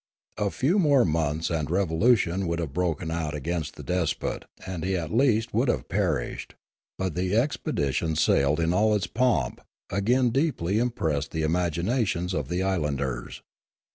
A few more months and revolution would have broken out against the despot, and he at least would have perished; but the expedition sailed in all its pomp, again deeply im pressing the imaginations of the islanders.